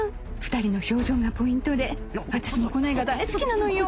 ２人の表情がポイントで私もこの絵が大好きなのよ。